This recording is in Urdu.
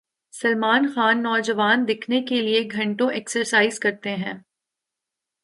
سلمان خان نوجوان دکھنے کیلئے گھنٹوں ایکسرسائز کرتے ہیں